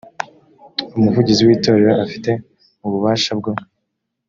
umuvugizi w itorero afite ububasha bwo